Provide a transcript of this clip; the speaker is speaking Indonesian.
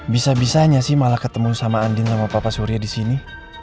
bisa bisanya sih malah ketemu sama andin sama papa surya di sini